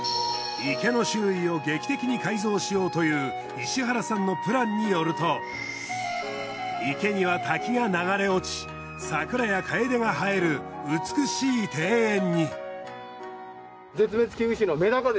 池の周囲を劇的に改造しようという石原さんのプランによると池には滝が流れ落ち桜やカエデが映える美しい庭園に。